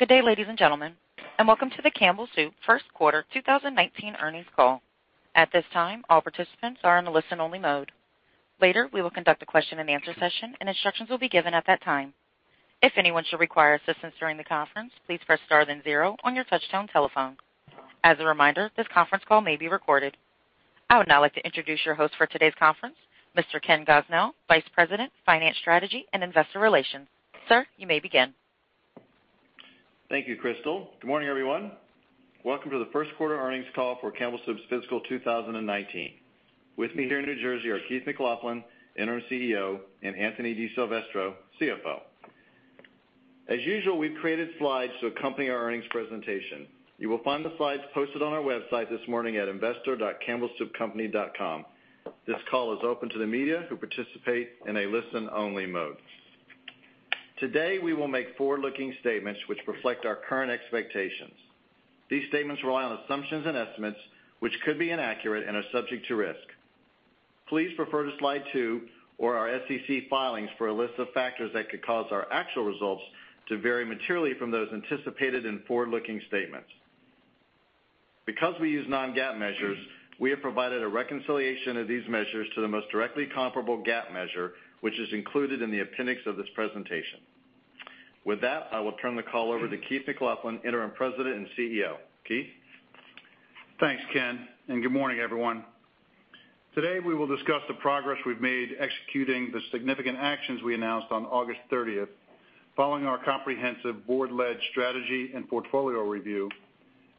Good day, ladies and gentlemen, and welcome to the Campbell Soup first quarter 2019 earnings call. At this time, all participants are in listen-only mode. Later, we will conduct a question and answer session, and instructions will be given at that time. If anyone should require assistance during the conference, please press star then zero on your touchtone telephone. As a reminder, this conference call may be recorded. I would now like to introduce your host for today's conference, Mr. Ken Gosnell, Vice President, Finance Strategy and Investor Relations. Sir, you may begin. Thank you, Crystal. Good morning, everyone. Welcome to the first quarter earnings call for Campbell Soup's fiscal 2019. With me here in New Jersey are Keith McLoughlin, Interim CEO, and Anthony DiSilvestro, CFO. As usual, we've created slides to accompany our earnings presentation. You will find the slides posted on our website this morning at investor.campbellsoupcompany.com. This call is open to the media who participate in a listen-only mode. Today, we will make forward-looking statements which reflect our current expectations. These statements rely on assumptions and estimates, which could be inaccurate and are subject to risk. Please refer to slide two or our SEC filings for a list of factors that could cause our actual results to vary materially from those anticipated in forward-looking statements. Because we use non-GAAP measures, we have provided a reconciliation of these measures to the most directly comparable GAAP measure, which is included in the appendix of this presentation. With that, I will turn the call over to Keith McLoughlin, Interim President and CEO. Keith? Thanks, Ken, and good morning, everyone. Today, we will discuss the progress we've made executing the significant actions we announced on August 30th, following our comprehensive board-led strategy and portfolio review,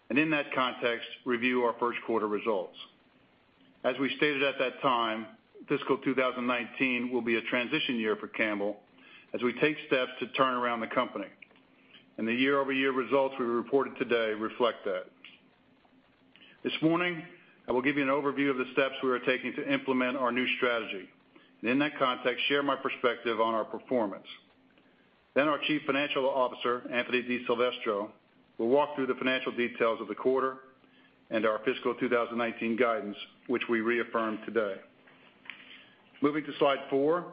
and in that context, review our first quarter results. As we stated at that time, fiscal 2019 will be a transition year for Campbell as we take steps to turn around the company, and the year-over-year results we reported today reflect that. This morning, I will give you an overview of the steps we are taking to implement our new strategy and in that context, share my perspective on our performance. Our Chief Financial Officer, Anthony DiSilvestro, will walk through the financial details of the quarter and our fiscal 2019 guidance, which we reaffirm today. Moving to slide four.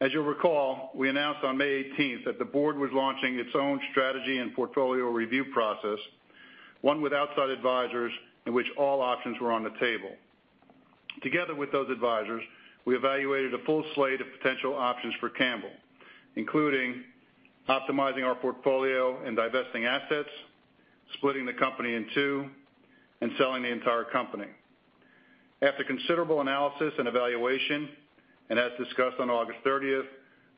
As you'll recall, we announced on May 18th that the board was launching its own strategy and portfolio review process, one with outside advisors in which all options were on the table. Together with those advisors, we evaluated a full slate of potential options for Campbell, including optimizing our portfolio and divesting assets, splitting the company in two, and selling the entire company. After considerable analysis and evaluation, as discussed on August 30th,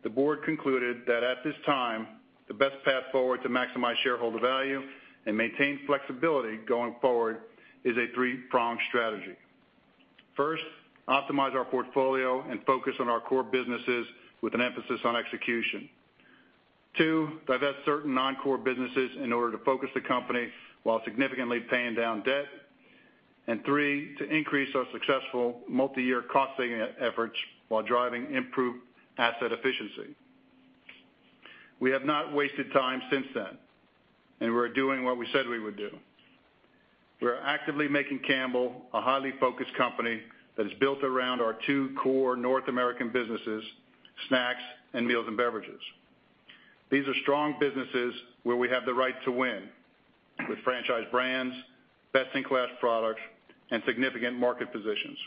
the board concluded that at this time, the best path forward to maximize shareholder value and maintain flexibility going forward is a three-pronged strategy. First, optimize our portfolio and focus on our core businesses with an emphasis on execution. Two, divest certain non-core businesses in order to focus the company while significantly paying down debt. Three, to increase our successful multi-year cost-saving efforts while driving improved asset efficiency. We have not wasted time since then, we're doing what we said we would do. We are actively making Campbell a highly focused company that is built around our two core North American businesses, Snacks and Meals & Beverages. These are strong businesses where we have the right to win with franchise brands, best-in-class products, and significant market positions.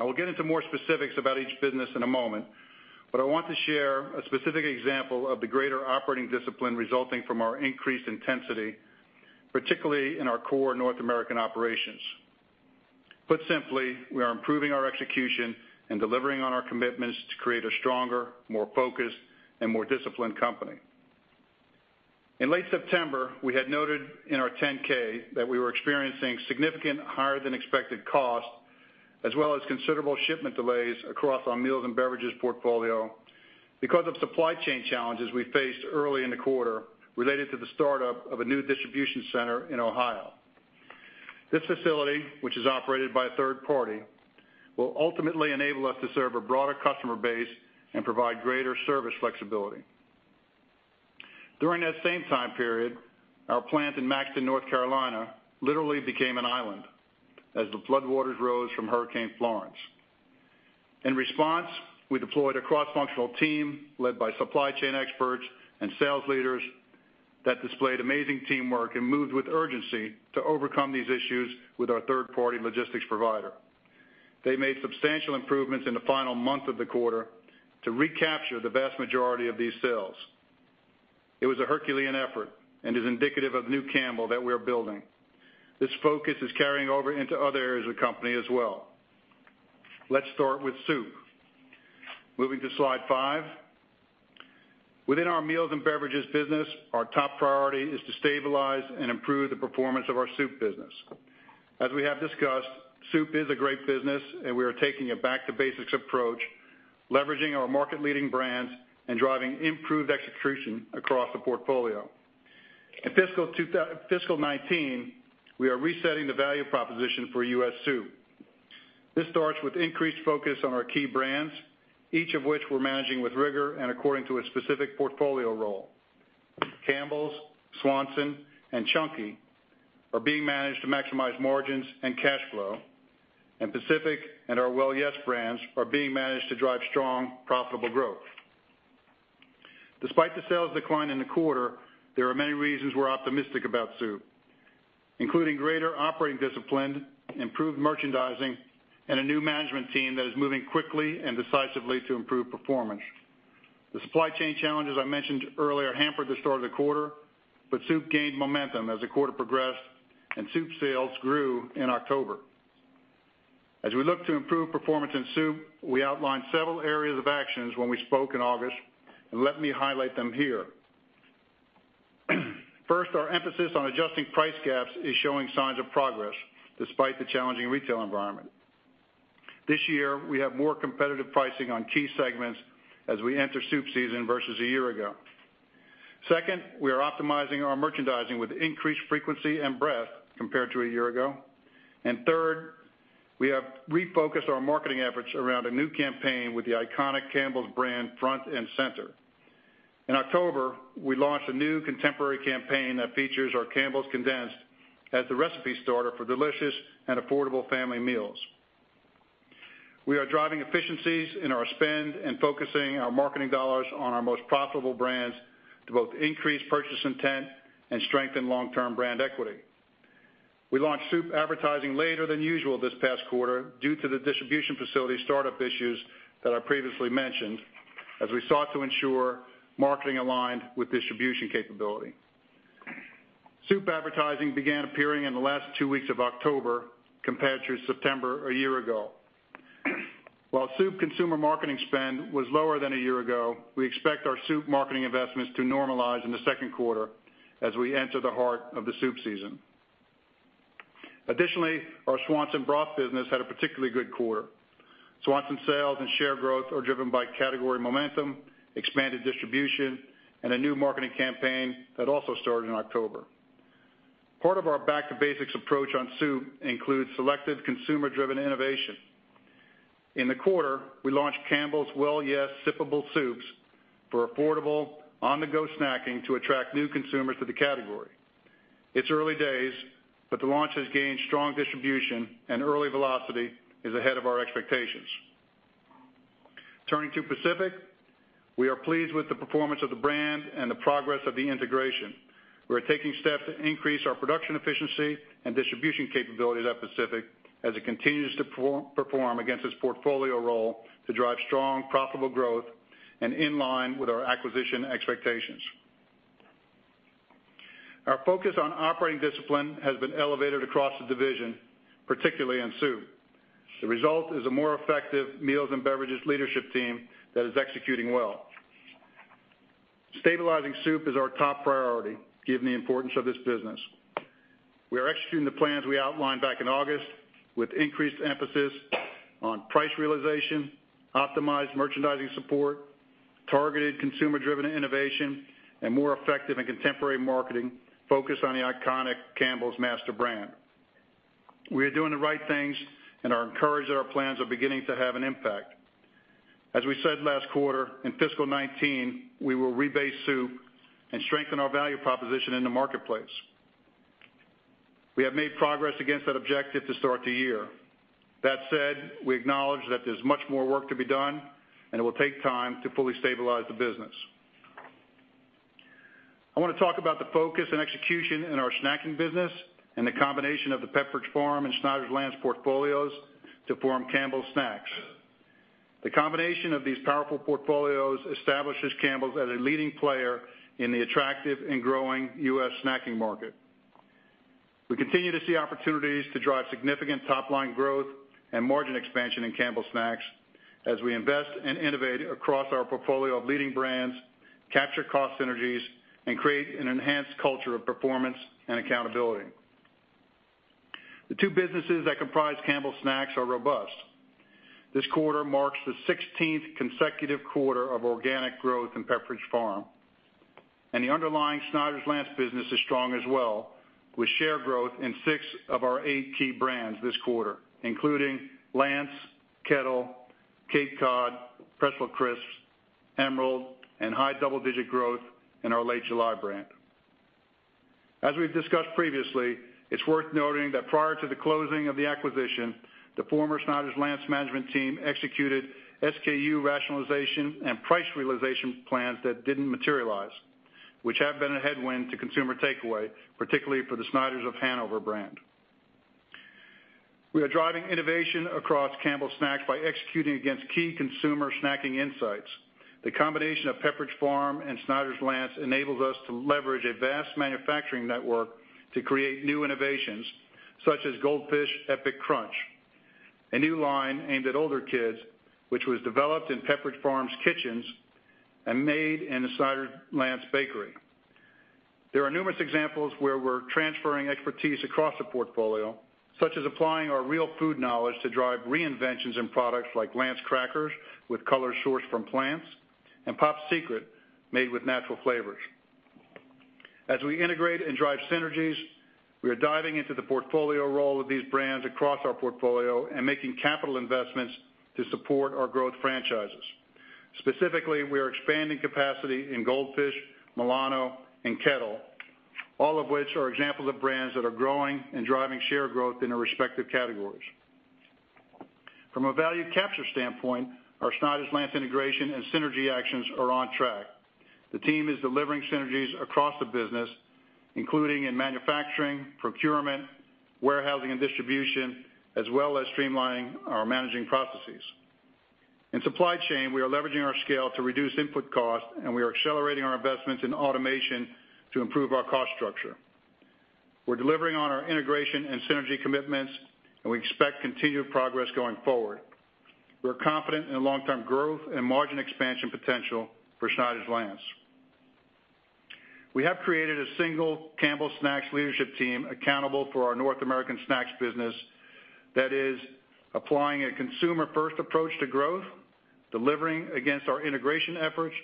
I will get into more specifics about each business in a moment, but I want to share a specific example of the greater operating discipline resulting from our increased intensity, particularly in our core North American operations. Put simply, we are improving our execution and delivering on our commitments to create a stronger, more focused, and more disciplined company. In late September, we had noted in our 10-K that we were experiencing significant higher than expected costs, as well as considerable shipment delays across our Meals & Beverages portfolio because of supply chain challenges we faced early in the quarter related to the startup of a new distribution center in Ohio. This facility, which is operated by a third party, will ultimately enable us to serve a broader customer base and provide greater service flexibility. During that same time period, our plant in Maxton, North Carolina literally became an island as the flood waters rose from Hurricane Florence. In response, we deployed a cross-functional team led by supply chain experts and sales leaders that displayed amazing teamwork and moved with urgency to overcome these issues with our third-party logistics provider. They made substantial improvements in the final month of the quarter to recapture the vast majority of these sales. It was a Herculean effort and is indicative of new Campbell that we're building. This focus is carrying over into other areas of the company as well. Let's start with Soup. Moving to slide five. Within our Meals & Beverages business, our top priority is to stabilize and improve the performance of our Soup business. As we have discussed, Soup is a great business, we are taking a back-to-basics approach, leveraging our market-leading brands and driving improved execution across the portfolio. In fiscal 2019, we are resetting the value proposition for U.S. Soup. This starts with increased focus on our key brands, each of which we're managing with rigor and according to a specific portfolio role. Campbell's, Swanson, and Chunky are being managed to maximize margins and cash flow. Pacific and our Well Yes! brands are being managed to drive strong, profitable growth. Despite the sales decline in the quarter, there are many reasons we're optimistic about Soup, including greater operating discipline, improved merchandising, and a new management team that is moving quickly and decisively to improve performance. The supply chain challenges I mentioned earlier hampered the start of the quarter, but Soup gained momentum as the quarter progressed, and Soup sales grew in October. As we look to improve performance in Soup, we outlined several areas of actions when we spoke in August. Let me highlight them here. First, our emphasis on adjusting price gaps is showing signs of progress despite the challenging retail environment. This year, we have more competitive pricing on key segments as we enter Soup season versus a year ago. Second, we are optimizing our merchandising with increased frequency and breadth compared to a year ago. Third, we have refocused our marketing efforts around a new campaign with the iconic Campbell's brand front and center. In October, we launched a new contemporary campaign that features our Campbell's Condensed as the recipe starter for delicious and affordable family meals. We are driving efficiencies in our spend and focusing our marketing dollars on our most profitable brands to both increase purchase intent and strengthen long-term brand equity. We launched Soup advertising later than usual this past quarter due to the distribution facility startup issues that I previously mentioned, as we sought to ensure marketing aligned with distribution capability. Soup advertising began appearing in the last two weeks of October compared to September a year ago. While Soup consumer marketing spend was lower than a year ago, we expect our Soup marketing investments to normalize in the second quarter as we enter the heart of the Soup season. Additionally, our Swanson broth business had a particularly good quarter. Swanson sales and share growth are driven by category momentum, expanded distribution, and a new marketing campaign that also started in October. Part of our back to basics approach on Soup includes selective consumer-driven innovation. In the quarter, we launched Campbell's Well Yes! Sipping Soups for affordable on-the-go snacking to attract new consumers to the category. It's early days, but the launch has gained strong distribution and early velocity is ahead of our expectations. Turning to Pacific, we are pleased with the performance of the brand and the progress of the integration. We are taking steps to increase our production efficiency and distribution capability at Pacific as it continues to perform against its portfolio role to drive strong, profitable growth and in line with our acquisition expectations. Our focus on operating discipline has been elevated across the division, particularly in Soup. The result is a more effective Meals & Beverages leadership team that is executing well. Stabilizing Soup is our top priority, given the importance of this business. We are executing the plans we outlined back in August with increased emphasis on price realization, optimized merchandising support, targeted consumer-driven innovation, and more effective and contemporary marketing focused on the iconic Campbell's master brand. We are doing the right things and are encouraged that our plans are beginning to have an impact. As we said last quarter, in fiscal 2019, we will rebase Soup and strengthen our value proposition in the marketplace. We have made progress against that objective to start the year. That said, we acknowledge that there's much more work to be done, and it will take time to fully stabilize the business. I want to talk about the focus and execution in our snacking business and the combination of the Pepperidge Farm and Snyder’s-Lance portfolios to form Campbell Snacks. The combination of these powerful portfolios establishes Campbell's as a leading player in the attractive and growing U.S. snacking market. We continue to see opportunities to drive significant top-line growth and margin expansion in Campbell Snacks as we invest and innovate across our portfolio of leading brands, capture cost synergies, and create an enhanced culture of performance and accountability. The two businesses that comprise Campbell Snacks are robust. This quarter marks the 16th consecutive quarter of organic growth in Pepperidge Farm. The underlying Snyder’s-Lance business is strong as well, with share growth in six of our eight key brands this quarter, including Lance, Kettle, Cape Cod, Pretzel Crisps, Emerald and high double-digit growth in our Late July brand. As we've discussed previously, it's worth noting that prior to the closing of the acquisition, the former Snyder's-Lance management team executed SKU rationalization and price realization plans that didn't materialize, which have been a headwind to consumer takeaway, particularly for the Snyder's of Hanover brand. We are driving innovation across Campbell Snacks by executing against key consumer snacking insights. The combination of Pepperidge Farm and Snyder's-Lance enables us to leverage a vast manufacturing network to create new innovations, such as Goldfish Epic Crunch, a new line aimed at older kids, which was developed in Pepperidge Farm's kitchens and made in a Snyder’s-Lance bakery. There are numerous examples where we're transferring expertise across the portfolio, such as applying our real food knowledge to drive reinventions in products like Lance Crackers with colors sourced from plants and Pop Secret made with natural flavors. As we integrate and drive synergies, we are diving into the portfolio role of these brands across our portfolio and making capital investments to support our growth franchises. Specifically, we are expanding capacity in Goldfish, Milano, and Kettle, all of which are examples of brands that are growing and driving share growth in their respective categories. From a value capture standpoint, our Snyder’s-Lance integration and synergy actions are on track. The team is delivering synergies across the business, including in manufacturing, procurement, warehousing, and distribution, as well as streamlining our managing processes. In supply chain, we are leveraging our scale to reduce input costs, and we are accelerating our investments in automation to improve our cost structure. We're delivering on our integration and synergy commitments, and we expect continued progress going forward. We're confident in the long-term growth and margin expansion potential for Snyder’s-Lance. We have created a single Campbell Snacks leadership team accountable for our North American snacks business that is applying a consumer-first approach to growth, delivering against our integration efforts,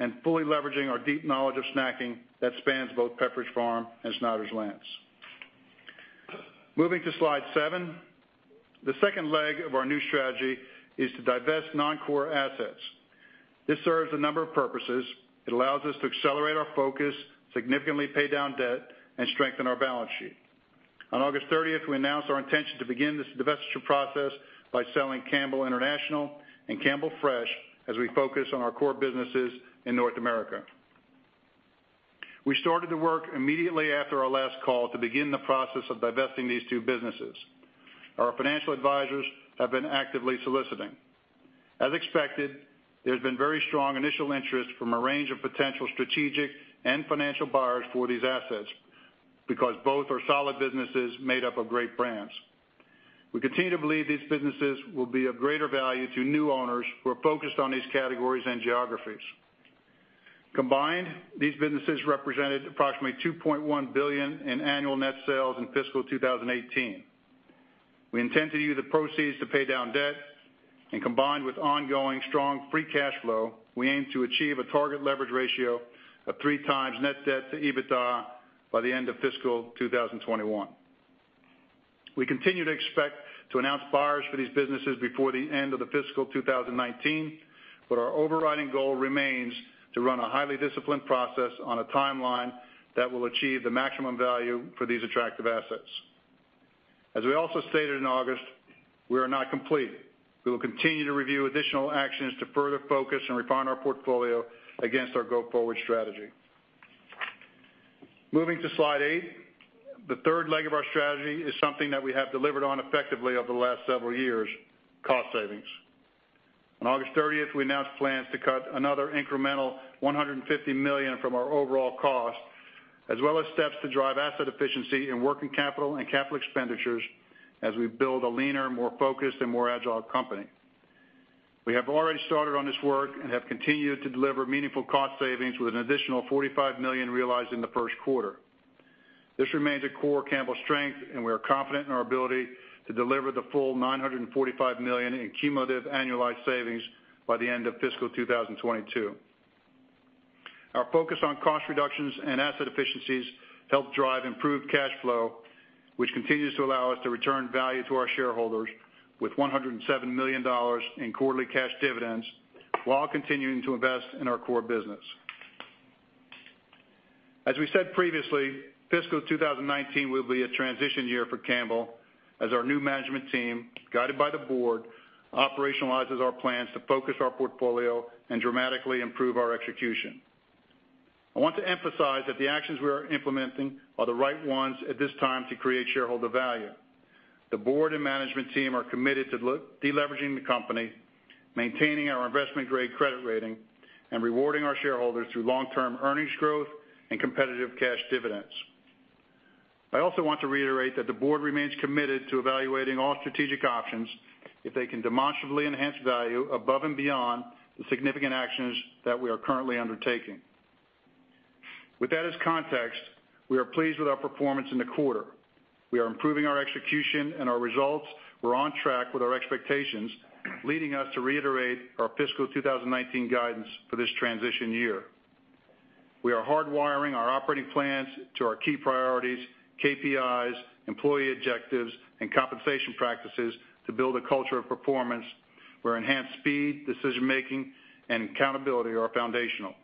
and fully leveraging our deep knowledge of snacking that spans both Pepperidge Farm and Snyder’s-Lance. Moving to slide seven. The second leg of our new strategy is to divest non-core assets. This serves a number of purposes. It allows us to accelerate our focus, significantly pay down debt, and strengthen our balance sheet. On August 30th, we announced our intention to begin this divestiture process by selling Campbell International and Campbell Fresh as we focus on our core businesses in North America. We started the work immediately after our last call to begin the process of divesting these two businesses. Our financial advisors have been actively soliciting. As expected, there's been very strong initial interest from a range of potential strategic and financial buyers for these assets because both are solid businesses made up of great brands. We continue to believe these businesses will be of greater value to new owners who are focused on these categories and geographies. Combined, these businesses represented approximately $2.1 billion in annual net sales in fiscal 2018. We intend to use the proceeds to pay down debt, and combined with ongoing strong free cash flow, we aim to achieve a target leverage ratio of 3x net debt to EBITDA by the end of fiscal 2021. We continue to expect to announce buyers for these business before the end of the fiscal 2019, but our overrunning goal remains to run a highly disciplined process on a time line that will achieve the maximum value for these attractive assets. As we also stated in August, we are not complete. We will continue to review additional actions to further focus and refine our portfolio against our go-forward strategy. Moving to slide eight. The third leg of our strategy is something that we have delivered on effectively over the last several years, cost savings. On August 30th, we announced plans to cut another incremental $150 million from our overall cost, as well as steps to drive asset efficiency in working capital and capital expenditures as we build a leaner, more focused, and more agile company. We have already started on this work and have continued to deliver meaningful cost savings with an additional $45 million realized in the first quarter. This remains a core Campbell strength, and we are confident in our ability to deliver the full $945 million in cumulative annualized savings by the end of fiscal 2022. Our focus on cost reductions and asset efficiencies help drive improved cash flow, which continues to allow us to return value to our shareholders with $107 million in quarterly cash dividends while continuing to invest in our core business. As we said previously, fiscal 2019 will be a transition year for Campbell as our new management team, guided by the board, operationalizes our plans to focus our portfolio and dramatically improve our execution. I want to emphasize that the actions we are implementing are the right ones at this time to create shareholder value. The board and management team are committed to de-leveraging the company, maintaining our investment-grade credit rating, and rewarding our shareholders through long-term earnings growth and competitive cash dividends. I also want to reiterate that the board remains committed to evaluating all strategic options if they can demonstrably enhance value above and beyond the significant actions that we are currently undertaking. With that as context, we are pleased with our performance in the quarter. We are improving our execution and our results. We're on track with our expectations, leading us to reiterate our fiscal 2019 guidance for this transition year. We are hardwiring our operating plans to our key priorities, KPIs, employee objectives, and compensation practices to build a culture of performance where enhanced speed, decision-making, and accountability are foundational.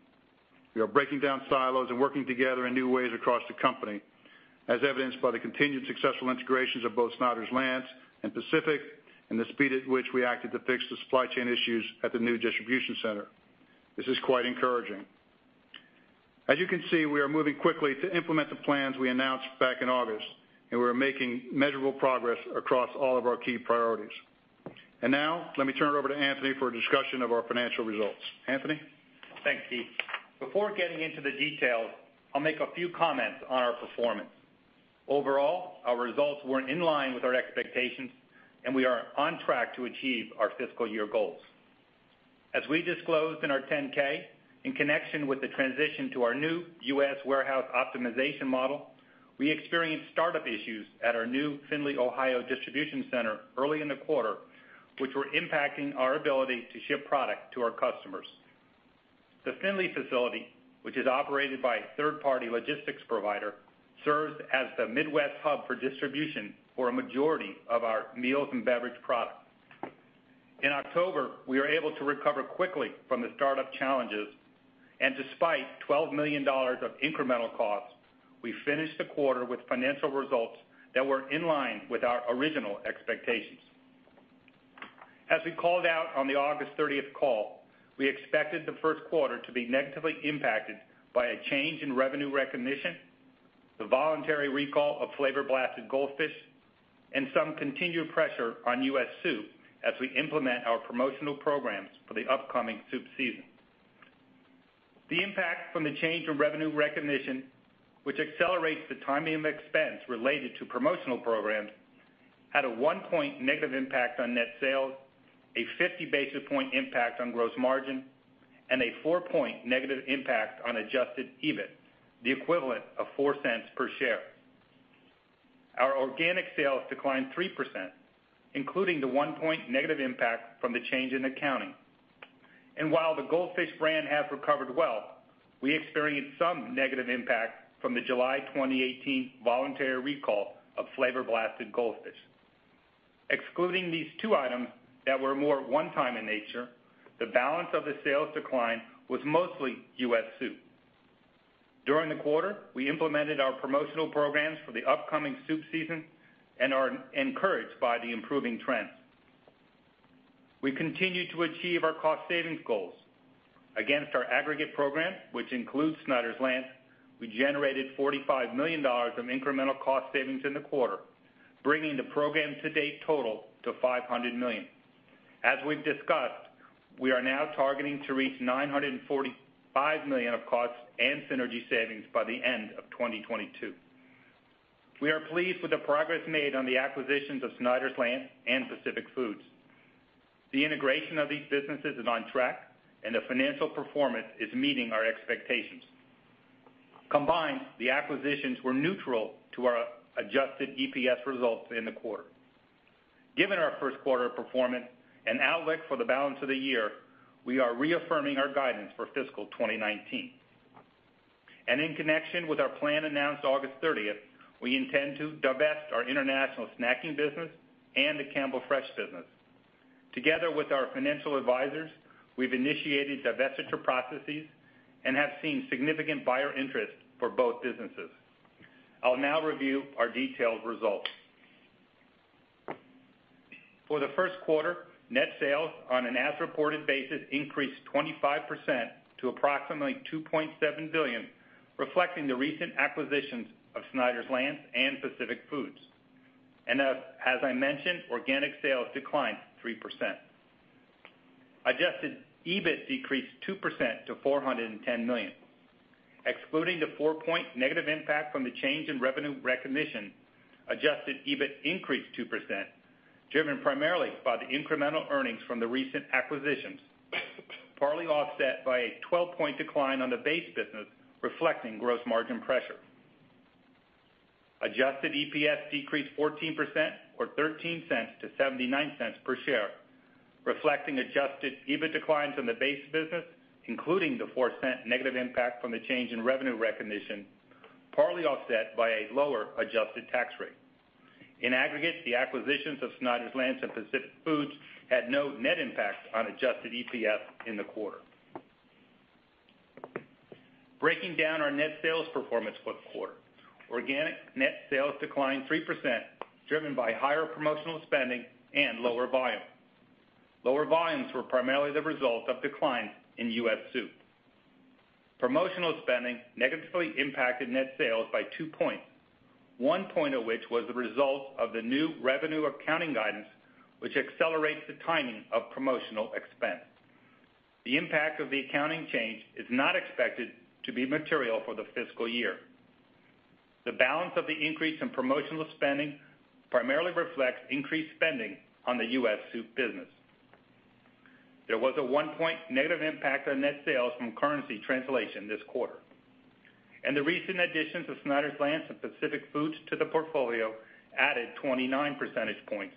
We are breaking down silos and working together in new ways across the company, as evidenced by the continued successful integrations of both Snyder's-Lance and Pacific, and the speed at which we acted to fix the supply chain issues at the new distribution center. This is quite encouraging. As you can see, we are moving quickly to implement the plans we announced back in August, and we are making measurable progress across all of our key priorities. Now, let me turn it over to Anthony for a discussion of our financial results. Anthony? Thanks, Keith. Before getting into the details, I'll make a few comments on our performance. Overall, our results were in line with our expectations, and we are on track to achieve our fiscal year goals. As we disclosed in our 10-K, in connection with the transition to our new U.S. warehouse optimization model, we experienced startup issues at our new Findlay, Ohio, distribution center early in the quarter, which were impacting our ability to ship product to our customers. The Findlay facility, which is operated by a third-party logistics provider, serves as the Midwest hub for distribution for a majority of our Meals & Beverages products. In October, we were able to recover quickly from the startup challenges, and despite $12 million of incremental costs, we finished the quarter with financial results that were in line with our original expectations. As we called out on the August 30th call, we expected the first quarter to be negatively impacted by a change in revenue recognition, the voluntary recall of Flavor Blasted Goldfish, and some continued pressure on U.S. Soup as we implement our promotional programs for the upcoming Soup season. The impact from the change in revenue recognition, which accelerates the timing of expense related to promotional programs, had a one-point negative impact on net sales, a 50 basis point impact on gross margin, and a four-point negative impact on adjusted EBIT, the equivalent of $0.04 per share. Our organic sales declined 3%, including the one-point negative impact from the change in accounting. While the Goldfish brand has recovered well, we experienced some negative impact from the July 2018 voluntary recall of Flavor Blasted Goldfish. Excluding these two items that were more one-time in nature, the balance of the sales decline was mostly U.S. Soup. During the quarter, we implemented our promotional programs for the upcoming Soup season and are encouraged by the improving trends. We continue to achieve our cost savings goals. Against our aggregate program, which includes Snyder's-Lance, we generated $45 million of incremental cost savings in the quarter, bringing the program to date total to $500 million. As we've discussed, we are now targeting to reach $945 million of cost and synergy savings by the end of 2022. We are pleased with the progress made on the acquisitions of Snyder's-Lance and Pacific Foods. The integration of these businesses is on track, and the financial performance is meeting our expectations. Combined, the acquisitions were neutral to our adjusted EPS results in the quarter. Given our first quarter performance and outlook for the balance of the year, we are reaffirming our guidance for fiscal 2019. In connection with our plan announced August 30th, we intend to divest our international snacking business and the Campbell Fresh business. Together with our financial advisors, we've initiated divestiture processes and have seen significant buyer interest for both businesses. I'll now review our detailed results. For the first quarter, net sales on an as-reported basis increased 25% to approximately $2.7 billion, reflecting the recent acquisitions of Snyder's-Lance and Pacific Foods. As I mentioned, organic sales declined 3%. Adjusted EBIT decreased 2% to $410 million. Excluding the four-point negative impact from the change in revenue recognition, adjusted EBIT increased 2%, driven primarily by the incremental earnings from the recent acquisitions, partly offset by a 12-point decline on the base business reflecting gross margin pressure. Adjusted EPS decreased 14%, or $0.13 to $0.79 per share, reflecting adjusted EBIT declines in the base business, including the $0.04 negative impact from the change in revenue recognition, partly offset by a lower adjusted tax rate. In aggregate, the acquisitions of Snyder's-Lance and Pacific Foods had no net impact on adjusted EPS in the quarter. Breaking down our net sales performance for the quarter. Organic net sales declined 3%, driven by higher promotional spending and lower volume. Lower volumes were primarily the result of declines in U.S. Soup. Promotional spending negatively impacted net sales by two points, one point of which was the result of the new revenue accounting guidance, which accelerates the timing of promotional expense. The impact of the accounting change is not expected to be material for the fiscal year. The balance of the increase in promotional spending primarily reflects increased spending on the U.S. Soup business. There was a one point negative impact on net sales from currency translation this quarter, and the recent additions of Snyder's-Lance and Pacific Foods to the portfolio added 29 percentage points,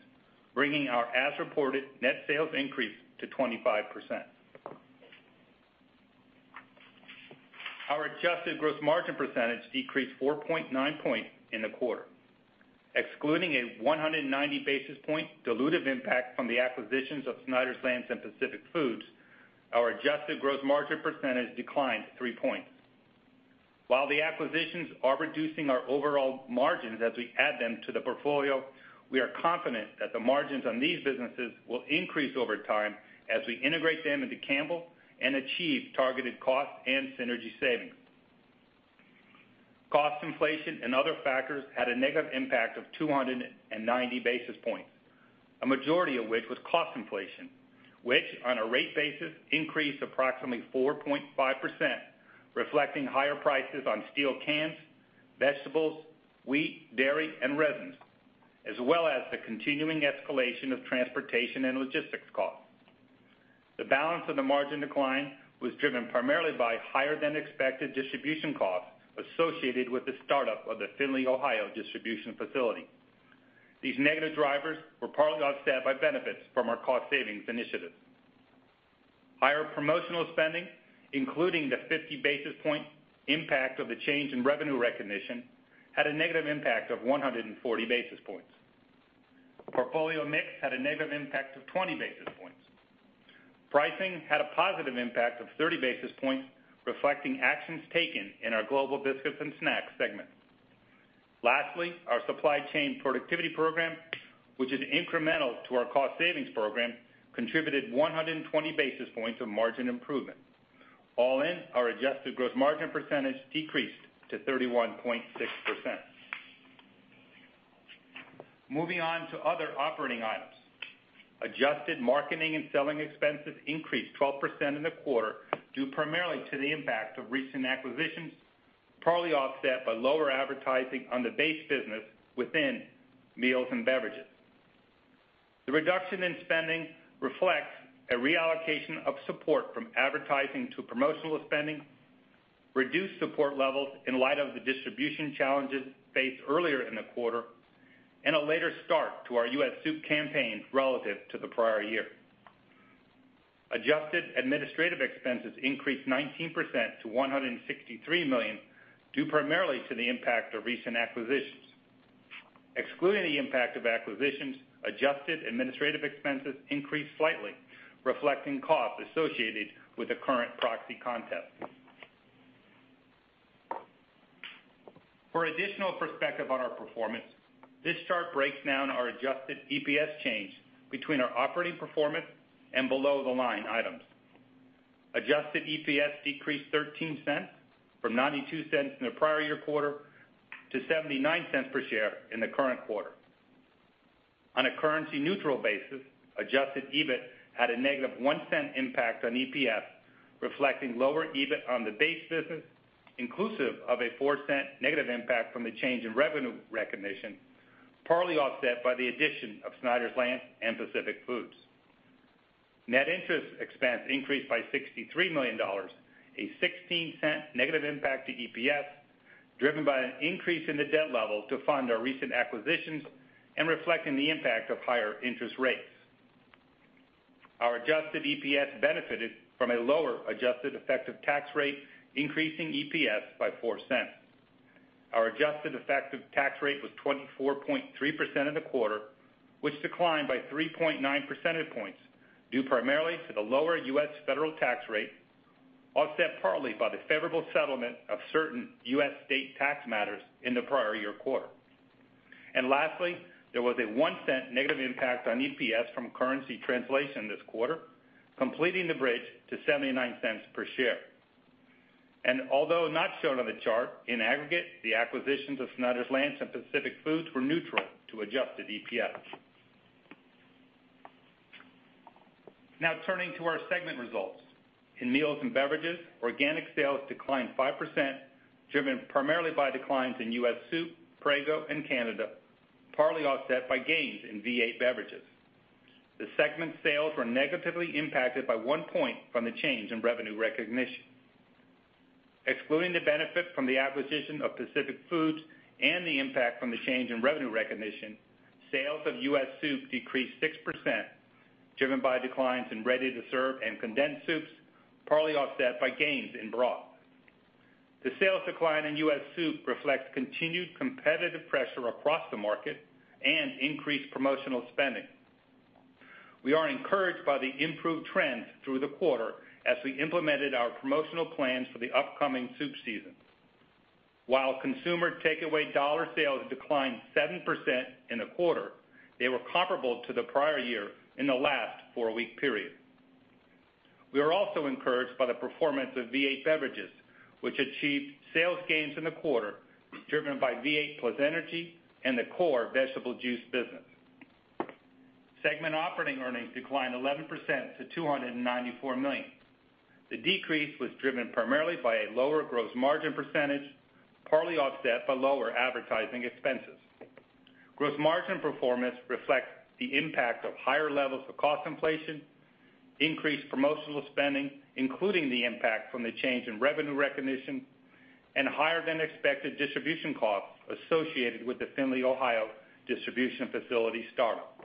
bringing our as-reported net sales increase to 25%. Our adjusted gross margin percentage decreased 4.9 points in the quarter. Excluding a 190 basis point dilutive impact from the acquisitions of Snyder's-Lance and Pacific Foods, our adjusted gross margin percentage declined three points. While the acquisitions are reducing our overall margins as we add them to the portfolio, we are confident that the margins on these businesses will increase over time as we integrate them into Campbell and achieve targeted cost and synergy savings. Cost inflation and other factors had a negative impact of 290 basis points, a majority of which was cost inflation, which on a rate basis, increased approximately 4.5%, reflecting higher prices on steel cans, vegetables, wheat, dairy, and resins, as well as the continuing escalation of transportation and logistics costs. The balance of the margin decline was driven primarily by higher than expected distribution costs associated with the startup of the Findlay, Ohio, distribution facility. These negative drivers were partly offset by benefits from our cost savings initiatives. Higher promotional spending, including the 50 basis point impact of the change in revenue recognition, had a negative impact of 140 basis points. Portfolio mix had a negative impact of 20 basis points. Pricing had a positive impact of 30 basis points, reflecting actions taken in our Global Biscuits and Snacks segment. Lastly, our supply chain productivity program, which is incremental to our cost savings program, contributed 120 basis points of margin improvement. All in, our adjusted gross margin percentage decreased to 31.6%. Moving on to other operating items. Adjusted marketing and selling expenses increased 12% in the quarter, due primarily to the impact of recent acquisitions, partly offset by lower advertising on the base business within Meals & Beverages. The reduction in spending reflects a reallocation of support from advertising to promotional spending, reduced support levels in light of the distribution challenges faced earlier in the quarter, and a later start to our U.S. Soup campaign relative to the prior year. Adjusted administrative expenses increased 19% to $163 million, due primarily to the impact of recent acquisitions. Excluding the impact of acquisitions, adjusted administrative expenses increased slightly, reflecting costs associated with the current proxy contest. For additional perspective on our performance, this chart breaks down our adjusted EPS change between our operating performance and below the line items. Adjusted EPS decreased $0.13 from $0.92 in the prior year quarter to $0.79 per share in the current quarter. On a currency neutral basis, adjusted EBIT had a negative $0.01 impact on EPS, reflecting lower EBIT on the base business, inclusive of a $0.04 negative impact from the change in revenue recognition, partly offset by the addition of Snyder's-Lance and Pacific Foods. Net interest expense increased by $63 million, a $0.16 negative impact to EPS, driven by an increase in the debt level to fund our recent acquisitions and reflecting the impact of higher interest rates. Our adjusted EPS benefited from a lower adjusted effective tax rate, increasing EPS by $0.04. Our adjusted effective tax rate was 24.3% in the quarter, which declined by 3.9 percentage points, due primarily to the lower U.S. federal tax rate, offset partly by the favorable settlement of certain U.S. state tax matters in the prior year quarter. Lastly, there was a $0.01 negative impact on EPS from currency translation this quarter, completing the bridge to $0.79 per share. Although not shown on the chart, in aggregate, the acquisitions of Snyder's-Lance and Pacific Foods were neutral to adjusted EPS. Turning to our segment results. In Meals & Beverages, organic sales declined 5%, driven primarily by declines in U.S. Soup, Prego and Canada, partly offset by gains in V8 Beverages. The segment sales were negatively impacted by one point from the change in revenue recognition. Excluding the benefit from the acquisition of Pacific Foods and the impact from the change in revenue recognition, sales of U.S. Soup decreased 6%, driven by declines in ready-to-serve and condensed soups, partly offset by gains in broth. The sales decline in U.S. Soup reflects continued competitive pressure across the market and increased promotional spending. We are encouraged by the improved trends through the quarter as we implemented our promotional plans for the upcoming Soup season. While consumer takeaway dollar sales declined 7% in the quarter, they were comparable to the prior year in the last four-week period. We are also encouraged by the performance of V8 Beverages, which achieved sales gains in the quarter, driven by V8 +ENERGY and the core vegetable juice business. Segment operating earnings declined 11% to $294 million. The decrease was driven primarily by a lower gross margin percentage, partly offset by lower advertising expenses. Gross margin performance reflects the impact of higher levels of cost inflation, increased promotional spending, including the impact from the change in revenue recognition, and higher than expected distribution costs associated with the Findlay, Ohio, distribution facility startup.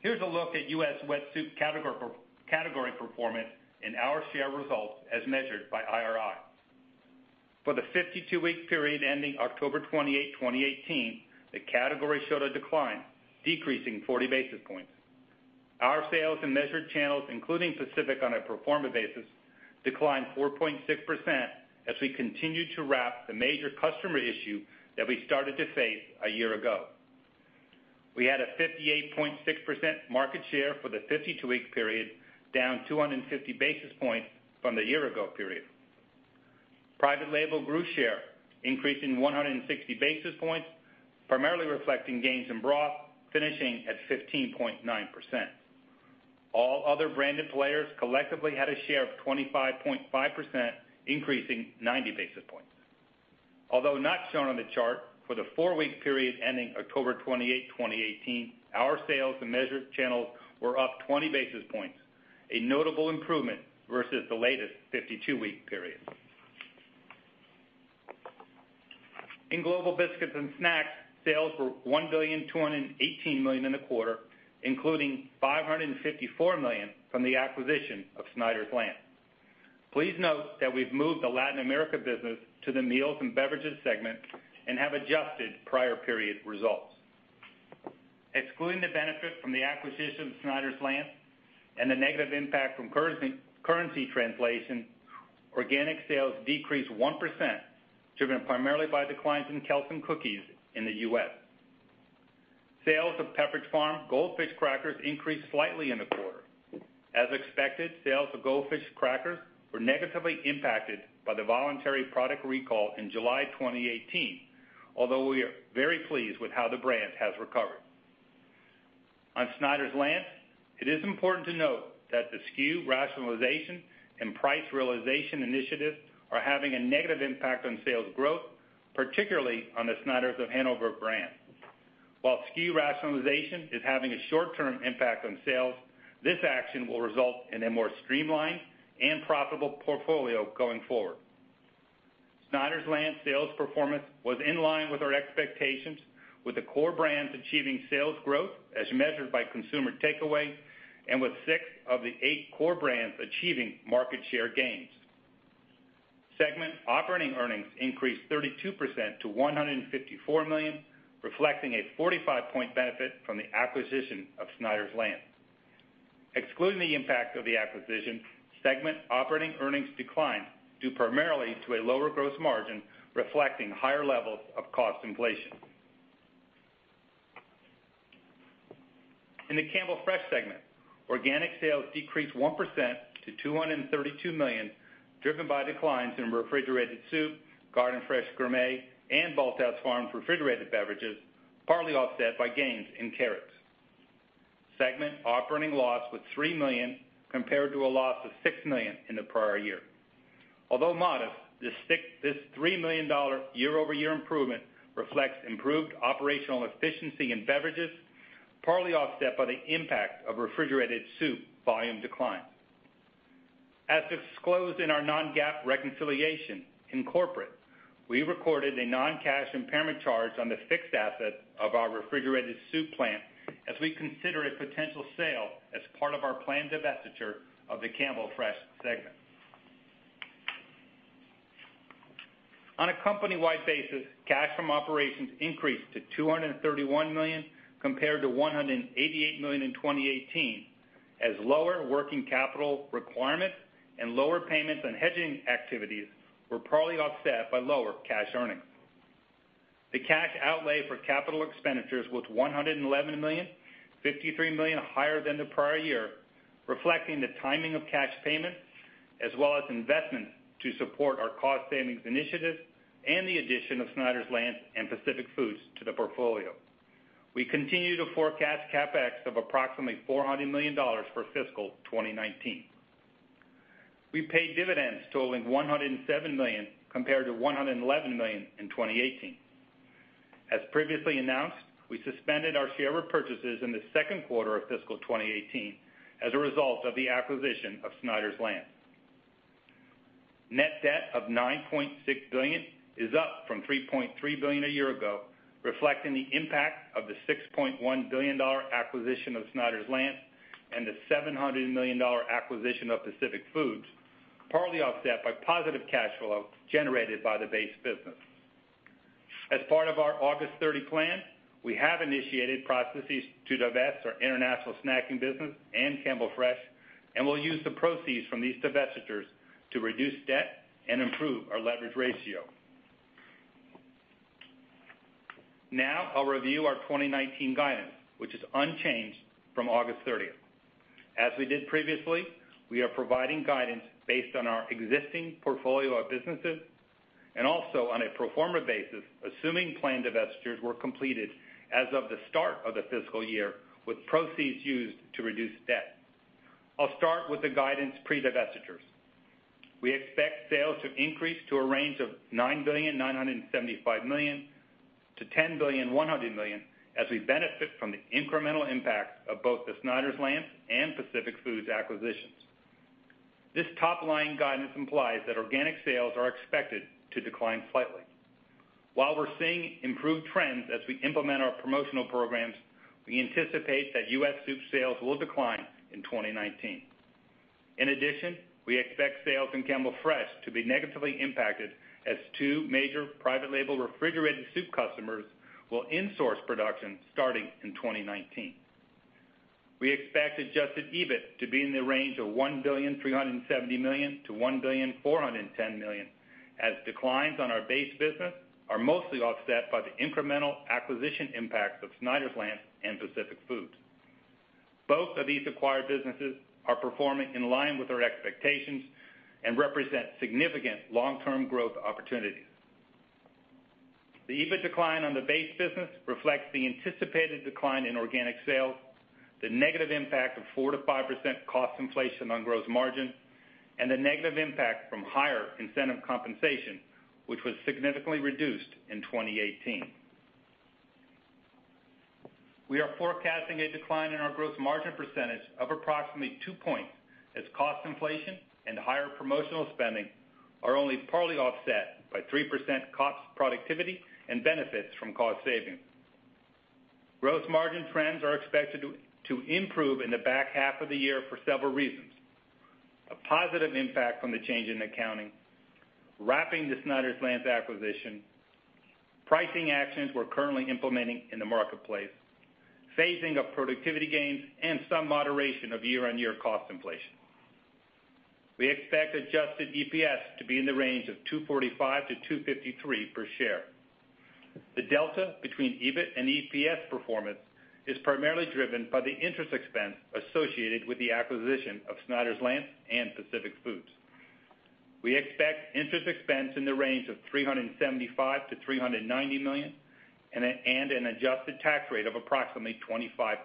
Here's a look at U.S. wet Soup category performance and our share results as measured by IRI. For the 52-week period ending October 28, 2018, the category showed a decline, decreasing 40 basis points. Our sales in measured channels, including Pacific on a pro forma basis, declined 4.6% as we continued to wrap the major customer issue that we started to face a year ago. We had a 58.6% market share for the 52-week period, down 250 basis points from the year ago period. Private label grew share, increasing 160 basis points, primarily reflecting gains in broth, finishing at 15.9%. All other branded players collectively had a share of 25.5%, increasing 90 basis points. Although not shown on the chart, for the four-week period ending October 28, 2018, our sales in measured channels were up 20 basis points. A notable improvement versus the latest 52-week period. In Global Biscuits and Snacks, sales were $1,218 million in the quarter, including $554 million from the acquisition of Snyder's-Lance. Please note that we've moved the Latin America business to the Meals & Beverages segment and have adjusted prior period results. Excluding the benefit from the acquisition of Snyder's-Lance, and the negative impact from currency translation, organic sales decreased 1%, driven primarily by declines in Kelsen cookies in the U.S. Sales of Pepperidge Farm Goldfish crackers increased slightly in the quarter. As expected, sales of Goldfish crackers were negatively impacted by the voluntary product recall in July 2018, although we are very pleased with how the brand has recovered. On Snyder's-Lance, it is important to note that the SKU rationalization and price realization initiatives are having a negative impact on sales growth, particularly on the Snyder's of Hanover brand. While SKU rationalization is having a short-term impact on sales, this action will result in a more streamlined and profitable portfolio going forward. Snyder's-Lance sales performance was in line with our expectations, with the core brands achieving sales growth as measured by consumer takeaway, and with six of the eight core brands achieving market share gains. Segment operating earnings increased 32% to $154 million, reflecting a 45-point benefit from the acquisition of Snyder's-Lance. Excluding the impact of the acquisition, segment operating earnings declined due primarily to a lower gross margin, reflecting higher levels of cost inflation. In the Campbell Fresh segment, organic sales decreased 1% to $232 million, driven by declines in refrigerated Soup, Garden Fresh Gourmet, and Bolthouse Farms refrigerated beverages, partly offset by gains in carrots. Segment operating loss was $3 million compared to a loss of $6 million in the prior year. Although modest, this $3 million year-over-year improvement reflects improved operational efficiency in beverages, partly offset by the impact of refrigerated Soup volume decline. As disclosed in our non-GAAP reconciliation in Corporate, we recorded a non-cash impairment charge on the fixed asset of our refrigerated Soup plant as we consider a potential sale as part of our planned divestiture of the Campbell Fresh segment. On a company-wide basis, cash from operations increased to $231 million compared to $188 million in 2018, as lower working capital requirements and lower payments on hedging activities were partly offset by lower cash earnings. The cash outlay for capital expenditures was $111 million, $53 million higher than the prior year, reflecting the timing of cash payments as well as investments to support our cost savings initiatives and the addition of Snyder's-Lance and Pacific Foods to the portfolio. We continue to forecast CapEx of approximately $400 million for fiscal 2019. We paid dividends totaling $107 million, compared to $111 million in 2018. As previously announced, we suspended our share purchases in the second quarter of fiscal 2018 as a result of the acquisition of Snyder's-Lance. Net debt of $9.6 billion is up from $3.3 billion a year ago, reflecting the impact of the $6.1 billion acquisition of Snyder's-Lance and the $700 million acquisition of Pacific Foods, partly offset by positive cash flow generated by the base business. As part of our August 30 plan, we have initiated processes to divest our international snacking business and Campbell Fresh, and we'll use the proceeds from these divestitures to reduce debt and improve our leverage ratio. Now I'll review our 2019 guidance, which is unchanged from August 30th. As we did previously, we are providing guidance based on our existing portfolio of businesses and also on a pro forma basis, assuming planned divestitures were completed as of the start of the fiscal year, with proceeds used to reduce debt. I'll start with the guidance pre-divestitures. We expect sales to increase to a range of $9.975 billion-$10.1 billion as we benefit from the incremental impact of both the Snyder's-Lance and Pacific Foods acquisitions. This top-line guidance implies that organic sales are expected to decline slightly. While we are seeing improved trends as we implement our promotional programs, we anticipate that U.S. Soup sales will decline in 2019. In addition, we expect sales in Campbell Fresh to be negatively impacted as two major private label refrigerated Soup customers will in-source production starting in 2019. We expect adjusted EBIT to be in the range of $1.37 billion-$1.41 billion, as declines on our base business are mostly offset by the incremental acquisition impacts of Snyder's-Lance and Pacific Foods. Both of these acquired businesses are performing in line with our expectations and represent significant long-term growth opportunities. The EBIT decline on the base business reflects the anticipated decline in organic sales, the negative impact of 4%-5% cost inflation on gross margin, and the negative impact from higher incentive compensation, which was significantly reduced in 2018. We are forecasting a decline in our gross margin percentage of approximately two points as cost inflation and higher promotional spending are only partly offset by 3% COPS productivity and benefits from cost savings. Gross margin trends are expected to improve in the back half of the year for several reasons. A positive impact from the change in accounting, wrapping the Snyder's-Lance acquisition, pricing actions we're currently implementing in the marketplace, phasing of productivity gains, and some moderation of year-on-year cost inflation. We expect adjusted EPS to be in the range of $2.45-$2.53 per share. The delta between EBIT and EPS performance is primarily driven by the interest expense associated with the acquisition of Snyder's-Lance and Pacific Foods. We expect interest expense in the range of $375 million-$390 million and an adjusted tax rate of approximately 25%.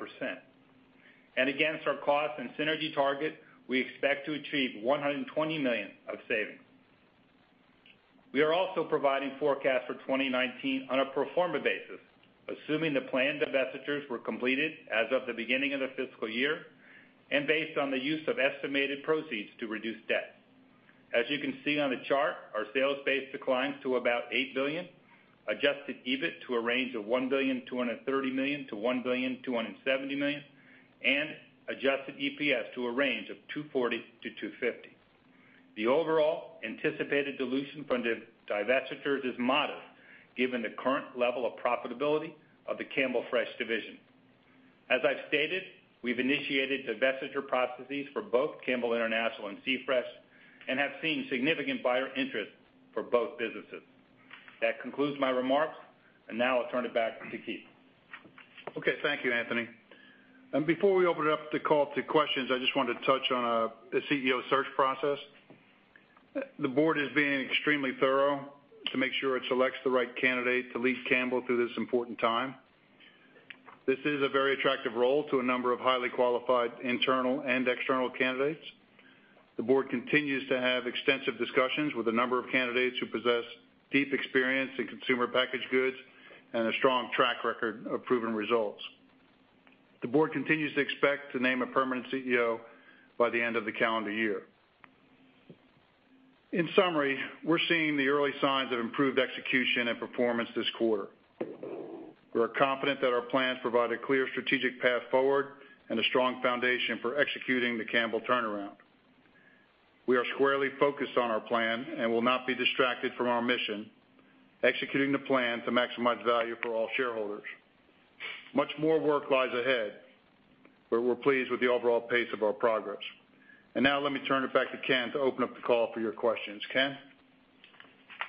Against our cost and synergy target, we expect to achieve $120 million of savings. We are also providing forecasts for 2019 on a pro forma basis, assuming the planned divestitures were completed as of the beginning of the fiscal year and based on the use of estimated proceeds to reduce debt. As you can see on the chart, our sales base declines to about $8 billion, adjusted EBIT to a range of $1.13 billion-$1.17 billion, and adjusted EPS to a range of $2.40-$2.50. The overall anticipated dilution from divestitures is modest given the current level of profitability of the Campbell Fresh division. As I've stated, we've initiated divestiture processes for both Campbell International and C-Fresh and have seen significant buyer interest for both businesses. That concludes my remarks, and now I'll turn it back to Keith. Okay. Thank you, Anthony. Before we open it up to call to questions, I just wanted to touch on the CEO search process. The board is being extremely thorough to make sure it selects the right candidate to lead Campbell through this important time. This is a very attractive role to a number of highly qualified internal and external candidates. The board continues to have extensive discussions with a number of candidates who possess deep experience in consumer packaged goods and a strong track record of proven results. The board continues to expect to name a permanent CEO by the end of the calendar year. In summary, we're seeing the early signs of improved execution and performance this quarter. We are confident that our plans provide a clear strategic path forward and a strong foundation for executing the Campbell turnaround. We are squarely focused on our plan and will not be distracted from our mission, executing the plan to maximize value for all shareholders. Much more work lies ahead, but we're pleased with the overall pace of our progress. Now let me turn it back to Ken to open up the call for your questions. Ken?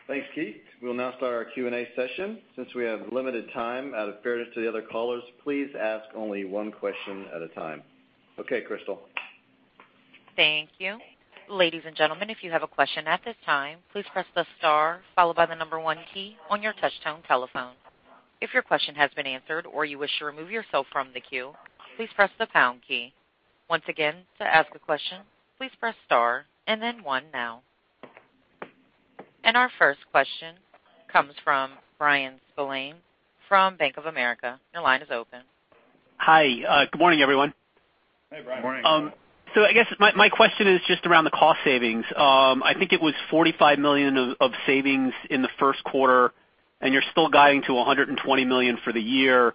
Thanks, Keith. We'll now start our Q&A session. Since we have limited time, out of fairness to the other callers, please ask only one question at a time. Okay, Crystal. Thank you. Ladies and gentlemen, if you have a question at this time, please press the star followed by the number one key on your touch tone telephone. If your question has been answered or you wish to remove yourself from the queue, please press the pound key. Once again, to ask a question, please press star and then one now. Our first question comes from Bryan Spillane from Bank of America. Your line is open. Hi. Good morning, everyone. Hey, Bryan. Good morning. I guess my question is just around the cost savings. I think it was $45 million of savings in the first quarter, and you're still guiding to $120 million for the year.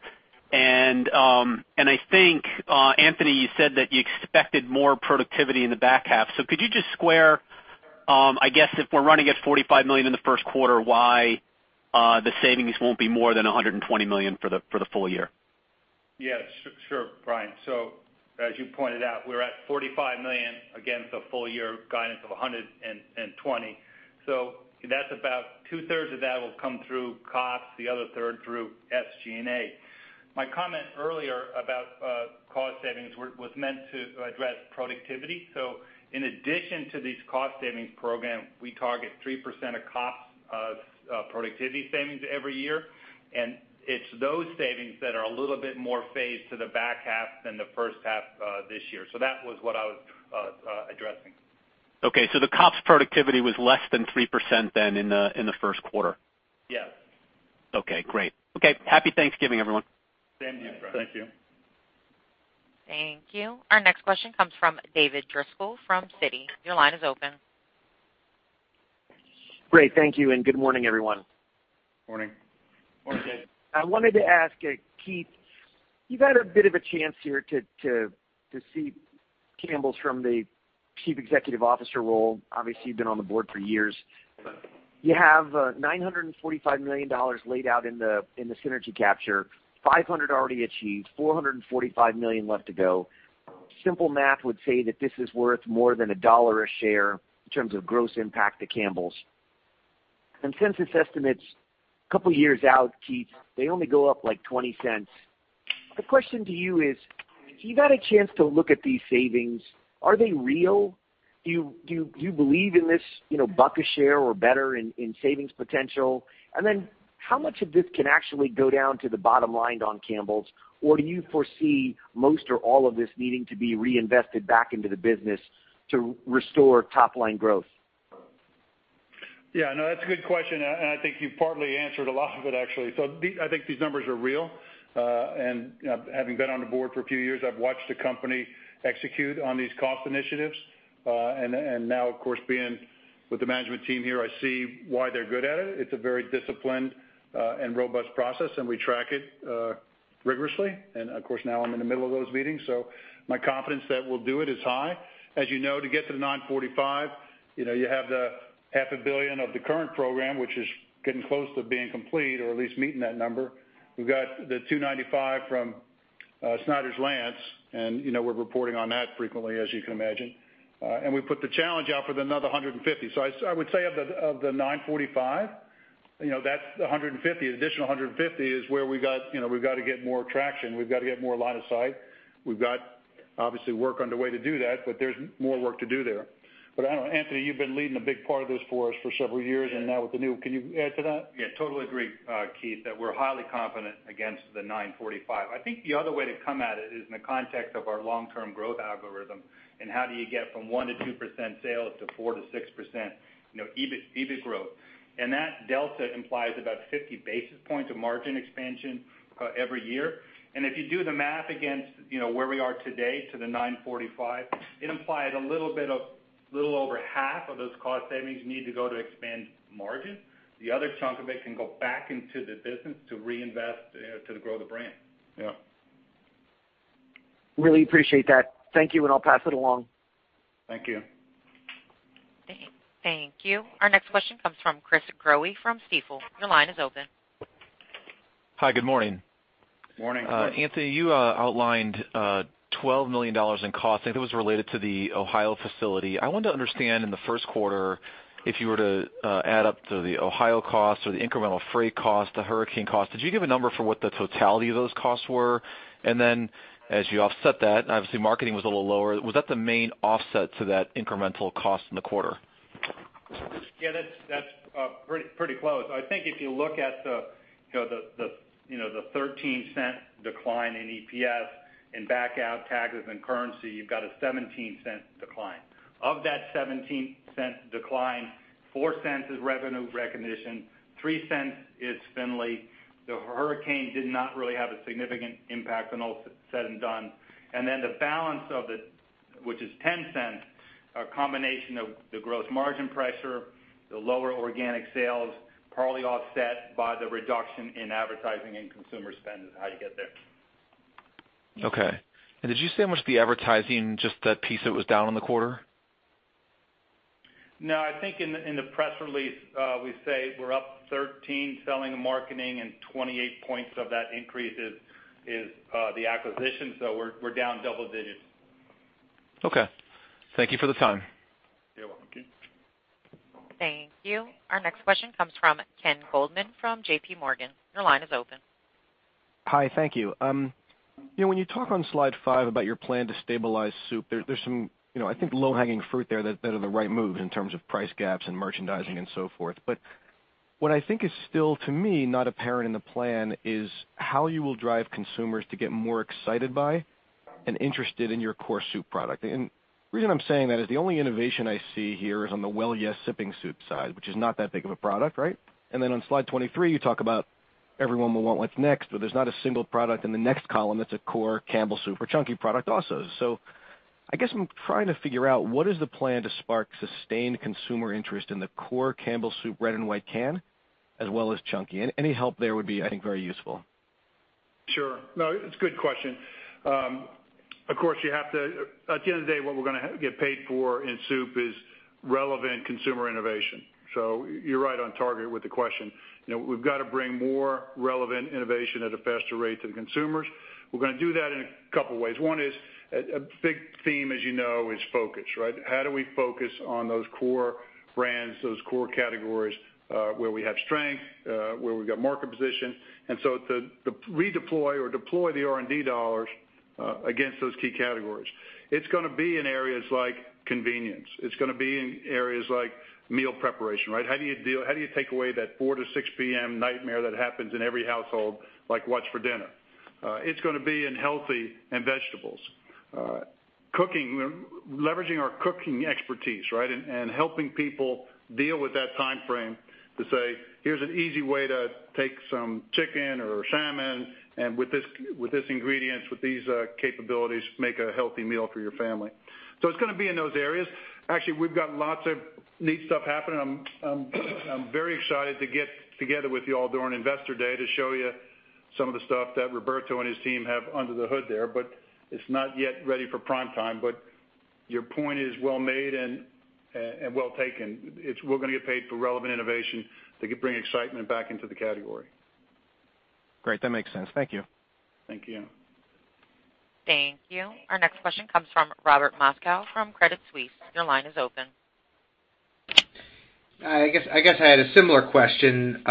I think, Anthony, you said that you expected more productivity in the back half. Could you just square, I guess, if we're running at $45 million in the first quarter, why the savings won't be more than $120 million for the full year? Yeah, sure, Bryan. As you pointed out, we're at $45 million against a full-year guidance of $120 million. That's about two-thirds of that will come through COPS, the other third through SG&A. My comment earlier about cost savings was meant to address productivity. In addition to these cost savings program, we target 3% of COPS productivity savings every year. It's those savings that are a little bit more phased to the back half than the first half this year. That was what I was addressing. Okay. The COPS productivity was less than 3% then in the first quarter? Yes. Okay, great. Okay. Happy Thanksgiving, everyone. Same to you, Bryan. Thank you. Thank you. Our next question comes from David Driscoll from Citi. Your line is open. Great. Thank you, good morning, everyone. Morning. Morning, Dave. I wanted to ask Keith, you've had a bit of a chance here to see Campbell's from the Chief Executive Officer role. Obviously, you've been on the board for years. You have $945 million laid out in the synergy capture, $500 already achieved, $445 million left to go. Simple math would say that this is worth more than a dollar a share in terms of gross impact to Campbell's. Consensus estimates a couple of years out, Keith, they only go up, like, $0.20. The question to you is, you've had a chance to look at these savings. Are they real? Do you believe in this buck a share or better in savings potential? How much of this can actually go down to the bottom line on Campbell's? Do you foresee most or all of this needing to be reinvested back into the business to restore top-line growth? Yeah, no, that's a good question. I think you've partly answered a lot of it actually. I think these numbers are real. Having been on the board for a few years, I've watched the company execute on these cost initiatives. Now, of course, being with the management team here, I see why they're good at it. It's a very disciplined and robust process. We track it rigorously. Of course, now I'm in the middle of those meetings, my confidence that we'll do it is high. As you know, to get to the $945, you have the $500 million of the current program, which is getting close to being complete or at least meeting that number. We've got the $295 from Snyder's-Lance. We're reporting on that frequently, as you can imagine. We put the challenge out for another $150. I would say of the $945, that additional $150 is where we've got to get more traction. We've got to get more line of sight. We've got, obviously, work underway to do that. There's more work to do there. I don't know, Anthony, you've been leading a big part of this for us for several years, and now with the new, can you add to that? Yeah, totally agree, Keith, that we're highly confident against the $945. I think the other way to come at it is in the context of our long-term growth algorithm, how do you get from 1%-2% sales to 4%-6% EBIT growth. That delta implies about 50 basis points of margin expansion every year. If you do the math against where we are today to the $945, it implies a little over half of those cost savings need to go to expand margin. The other chunk of it can go back into the business to reinvest to grow the brand. Yeah. Really appreciate that. Thank you. I'll pass it along. Thank you. Thank you. Our next question comes from Chris Growe from Stifel. Your line is open. Hi, good morning. Morning. Anthony, you outlined $12 million in costs, I think it was related to the Ohio facility. I wanted to understand in the first quarter, if you were to add up the Ohio costs or the incremental freight costs, the hurricane costs, could you give a number for what the totality of those costs were? As you offset that, and obviously marketing was a little lower, was that the main offset to that incremental cost in the quarter? Yeah, that's pretty close. I think if you look at the $0.13 decline in EPS and back out taxes and currency, you've got a $0.17 decline. Of that $0.17 decline, $0.04 is revenue recognition, $0.03 is Findlay. Hurricane Florence did not really have a significant impact when all was said and done. The balance of it, which is $0.10, a combination of the gross margin pressure, the lower organic sales, partly offset by the reduction in advertising and consumer spend is how you get there. Okay. Did you say how much the advertising, just that piece that was down in the quarter? No, I think in the press release, we say we're up 13 selling and marketing, 28 points of that increase is the acquisition. We're down double digits. Okay. Thank you for the time. You're welcome. Thank you. Our next question comes from Ken Goldman from JPMorgan. Your line is open. Hi, thank you. When you talk on slide five about your plan to stabilize Soup, there's some I think low-hanging fruit there that are the right move in terms of price gaps and merchandising and so forth. What I think is still, to me, not apparent in the plan is how you will drive consumers to get more excited by and interested in your core Soup product. The reason I'm saying that is the only innovation I see here is on the Well Yes! Sipping Soup side, which is not that big of a product, right? On slide 23, you talk about everyone will want what's next, but there's not a single product in the next column that's a core Campbell's Soup or Chunky product also. I guess I'm trying to figure out what is the plan to spark sustained consumer interest in the core Campbell's Soup red and white can, as well as Chunky? Any help there would be, I think, very useful. Sure. No, it's a good question. Of course, at the end of the day, what we're going to get paid for in Soup is relevant consumer innovation. You're right on target with the question. We've got to bring more relevant innovation at a faster rate to the consumers. We're going to do that in a couple ways. One is a big theme, as you know, is focus, right? How do we focus on those core brands, those core categories, where we have strength, where we've got market position, and to redeploy or deploy the R&D dollars against those key categories. It's going to be in areas like convenience. It's going to be in areas like meal preparation, right? How do you take away that 4 to 6 P.M. nightmare that happens in every household, like what's for dinner? It's going to be in healthy and vegetables. Leveraging our cooking expertise, right, and helping people deal with that timeframe to say, "Here's an easy way to take some chicken or salmon, and with these ingredients, with these capabilities, make a healthy meal for your family." It's going to be in those areas. Actually, we've got lots of neat stuff happening. I'm very excited to get together with you all during Investor Day to show you some of the stuff that Roberto and his team have under the hood there, but it's not yet ready for prime time. Your point is well made and well taken. We're going to get paid for relevant innovation that could bring excitement back into the category. Great. That makes sense. Thank you. Thank you. Thank you. Our next question comes from Robert Moskow from Credit Suisse. Your line is open. I guess I had a similar question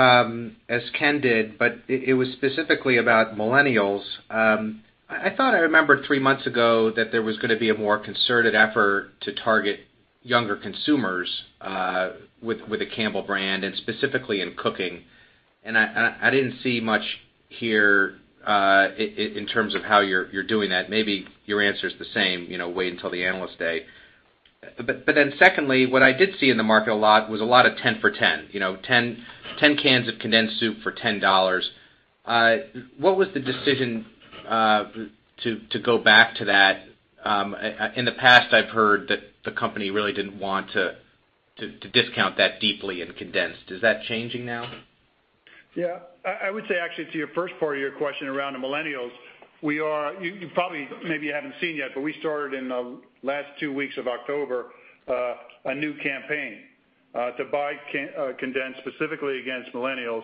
as Ken did, it was specifically about millennials. I thought I remembered three months ago that there was going to be a more concerted effort to target younger consumers with the Campbell brand, and specifically in cooking. I didn't see much here in terms of how you're doing that. Maybe your answer's the same, wait until the Analyst Day. Secondly, what I did see in the market a lot was a lot of 10 for 10. 10 cans of condensed Soup for $10. What was the decision to go back to that? In the past, I've heard that the company really didn't want to discount that deeply in condensed. Is that changing now? I would say, actually, to your first part of your question around the millennials, you probably maybe haven't seen yet, but we started in the last two weeks of October, a new campaign to buy condensed specifically against millennials.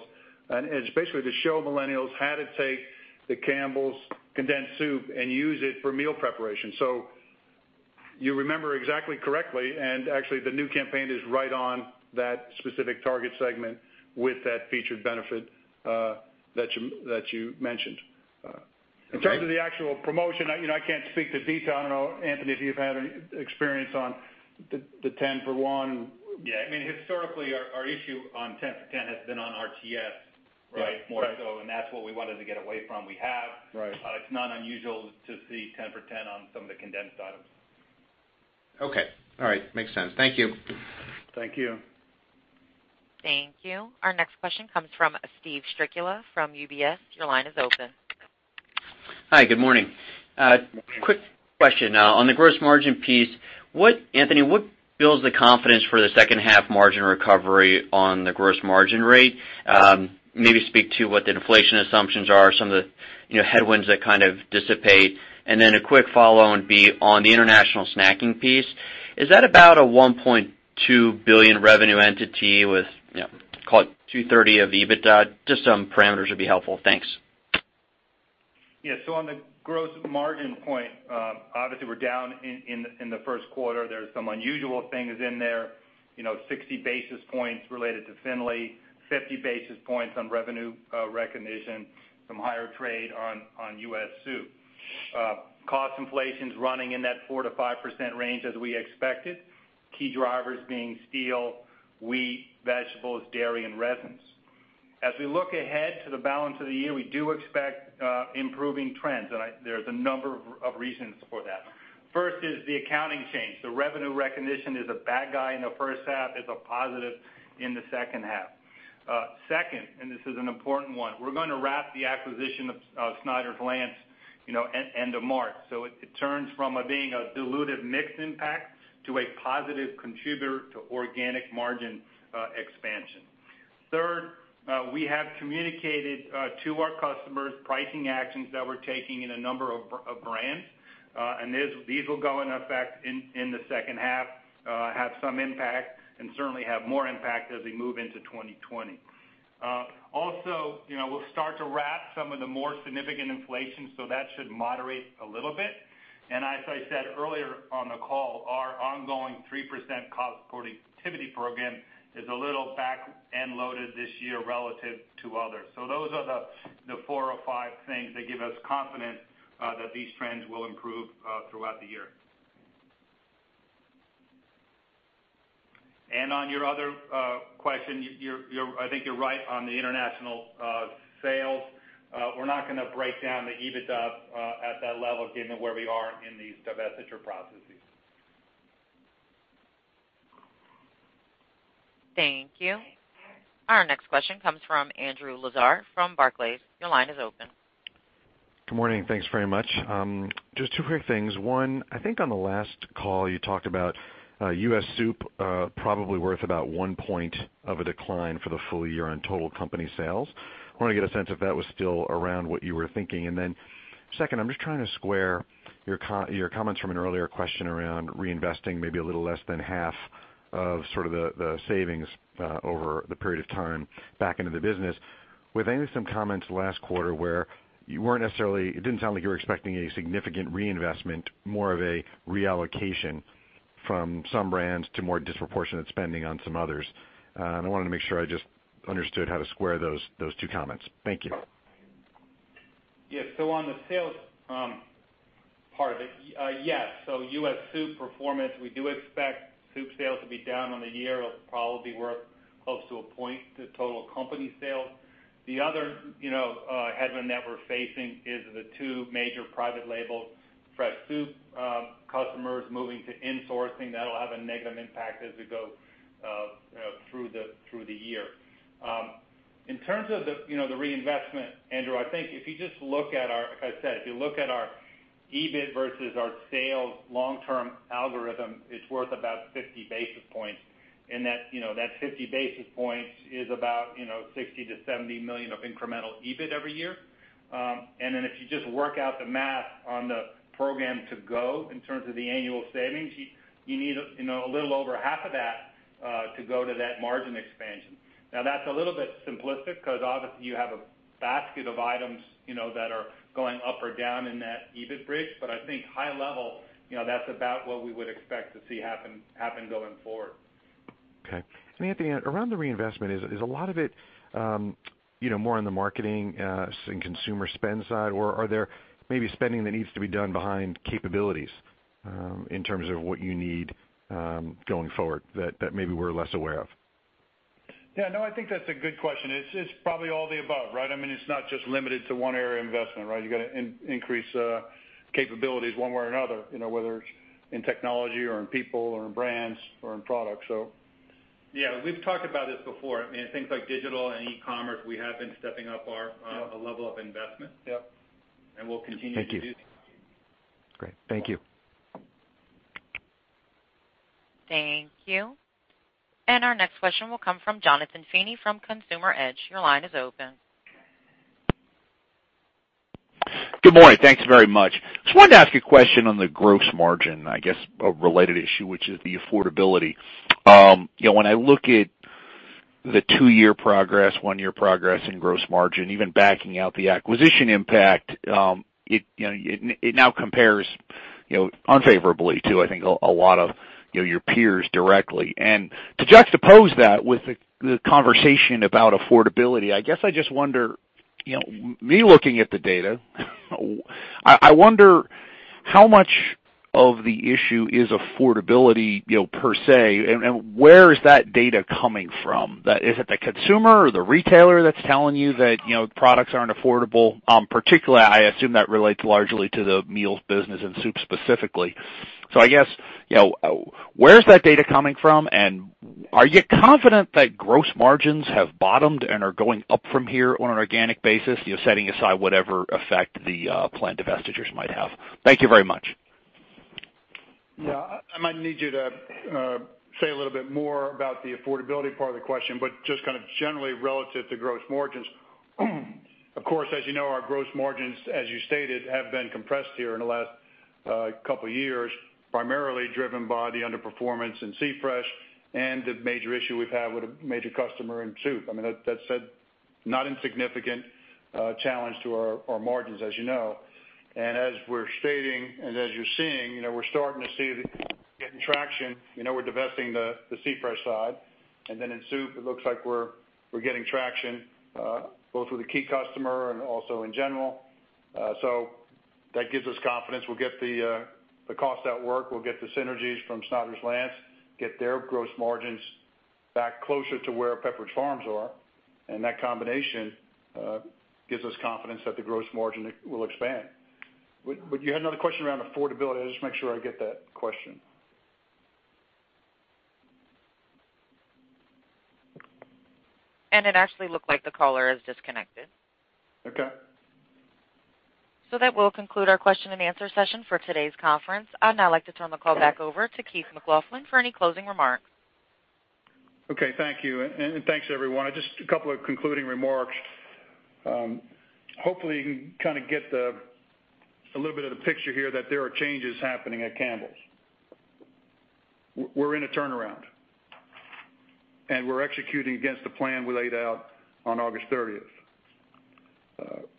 It's basically to show millennials how to take the Campbell's Condensed Soup and use it for meal preparation. You remember exactly correctly, and actually the new campaign is right on that specific target segment with that featured benefit that you mentioned. Okay. In terms of the actual promotion, I can't speak to detail. I don't know, Anthony, if you've had any experience on the 10 for 1. Historically, our issue on 10 for 10 has been on RTS- Yeah. Right More so, that's what we wanted to get away from. We have. Right. It's not unusual to see 10 for 10 on some of the Condensed items. Okay. All right. Makes sense. Thank you. Thank you. Thank you. Our next question comes from Steven Strycula from UBS. Your line is open. Hi, good morning. Quick question. On the gross margin piece, Anthony, what builds the confidence for the second half margin recovery on the gross margin rate? Maybe speak to what the inflation assumptions are, some of the headwinds that kind of dissipate. Then a quick follow on the international snacking piece. Is that about a $1.2 billion revenue entity with, call it $230 of EBITDA? Just some parameters would be helpful. Thanks. Yeah. On the gross margin point, obviously we're down in the first quarter. There's some unusual things in there, 60 basis points related to Findlay, 50 basis points on revenue recognition, some higher trade on U.S. Soup. Cost inflation's running in that 4%-5% range as we expected, key drivers being steel, wheat, vegetables, dairy, and resins. As we look ahead to the balance of the year, we do expect improving trends, there's a number of reasons for that. First is the accounting change. The revenue recognition is a bad guy in the first half, it's a positive in the second half. Second, this is an important one, we're going to wrap the acquisition of Snyder's-Lance end of March, so it turns from being a dilutive mixed impact to a positive contributor to organic margin expansion. Third, we have communicated to our customers pricing actions that we're taking in a number of brands, these will go in effect in the second half, have some impact, and certainly have more impact as we move into 2020. Also we'll start to wrap some of the more significant inflation, that should moderate a little bit. As I said earlier on the call, our ongoing 3% cost productivity program is a little back-end loaded this year relative to others. Those are the four or five things that give us confidence that these trends will improve throughout the year. On your other question, I think you're right on the international sales. We're not gonna break down the EBITDA at that level given where we are in these divestiture processes. Thank you. Our next question comes from Andrew Lazar from Barclays. Your line is open. Good morning. Thanks very much. Just two quick things. One, I think on the last call you talked about U.S. Soup probably worth about one point of a decline for the full year on total company sales. I want to get a sense if that was still around what you were thinking. Second, I'm just trying to square your comments from an earlier question around reinvesting maybe a little less than half of sort of the savings over the period of time back into the business with maybe some comments last quarter where it didn't sound like you were expecting a significant reinvestment, more of a reallocation from some brands to more disproportionate spending on some others. I wanted to make sure I just understood how to square those two comments. Thank you. Yeah. On the sales part of it, yes. U.S. Soup performance, we do expect Soup sales to be down on the year. It'll probably be worth close to a point to total company sales. The other headwind that we're facing is the two major private label fresh Soup customers moving to insourcing. That'll have a negative impact as we go through the year. In terms of the reinvestment, Andrew, I think if you just look at our, like I said, if you look at our EBIT versus our sales long-term algorithm, it's worth about 50 basis points, and that 50 basis points is about $60 million-$70 million of incremental EBIT every year. If you just work out the math on the program to go in terms of the annual savings, you need a little over half of that to go to that margin expansion. Now that's a little bit simplistic because obviously you have a basket of items that are going up or down in that EBIT bridge, but I think high level, that's about what we would expect to see happen going forward. Anthony, around the reinvestment, is a lot of it more on the marketing and consumer spend side, or are there maybe spending that needs to be done behind capabilities in terms of what you need going forward that maybe we're less aware of? Yeah. No, I think that's a good question. It's probably all the above, right? It's not just limited to one area of investment, right? You got to increase capabilities one way or another, whether it's in technology or in people or in brands or in products. Yeah, we've talked about this before. Things like digital and e-commerce, we have been stepping up our level of investment. Yep. We'll continue to do that. Thank you. Great. Thank you. Thank you. Our next question will come from Jonathan Feeney from Consumer Edge. Your line is open. Good morning. Thanks very much. Just wanted to ask a question on the gross margin, I guess, a related issue, which is the affordability. When I look at the two-year progress, one-year progress in gross margin, even backing out the acquisition impact, it now compares unfavorably to, I think, a lot of your peers directly. To juxtapose that with the conversation about affordability, I guess I just wonder, me looking at the data I wonder how much of the issue is affordability per se, and where is that data coming from? Is it the consumer or the retailer that's telling you that products aren't affordable? Particularly, I assume that relates largely to the meals business and Soup specifically. I guess, where's that data coming from, and are you confident that gross margins have bottomed and are going up from here on an organic basis, setting aside whatever effect the planned divestitures might have? Thank you very much. Yeah. I might need you to say a little bit more about the affordability part of the question, but just kind of generally relative to gross margins. Of course, as you know, our gross margins, as you stated, have been compressed here in the last couple years, primarily driven by the underperformance in C-Fresh and the major issue we've had with a major customer in Soup. That said, not insignificant challenge to our margins, as you know. As we're stating, and as you're seeing, we're starting to see getting traction. We're divesting the C-Fresh side, and then in Soup, it looks like we're getting traction both with a key customer and also in general. That gives us confidence. We'll get the cost out work, we'll get the synergies from Snyder's-Lance, get their gross margins back closer to where Pepperidge Farms are, that combination gives us confidence that the gross margin will expand. You had another question around affordability. I just want to make sure I get that question. It actually looked like the caller is disconnected. Okay. That will conclude our question and answer session for today's conference. I'd now like to turn the call back over to Keith McLoughlin for any closing remarks. Okay. Thank you, and thanks, everyone. Just a couple of concluding remarks. Hopefully you can get a little bit of the picture here that there are changes happening at Campbell's. We're in a turnaround, and we're executing against the plan we laid out on August 30th.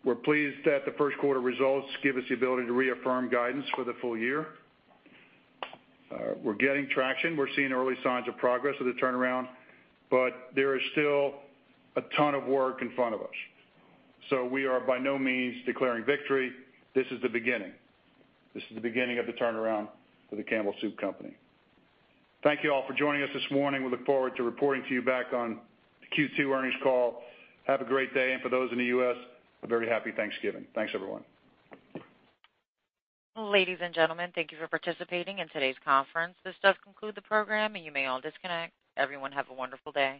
We're pleased that the first quarter results give us the ability to reaffirm guidance for the full year. We're getting traction. We're seeing early signs of progress with the turnaround, but there is still a ton of work in front of us. We are by no means declaring victory. This is the beginning. This is the beginning of the turnaround for the Campbell Soup Company. Thank you all for joining us this morning. We look forward to reporting to you back on the Q2 earnings call. Have a great day, and for those in the U.S., a very happy Thanksgiving. Thanks, everyone. Ladies and gentlemen, thank you for participating in today's conference. This does conclude the program, and you may all disconnect. Everyone have a wonderful day.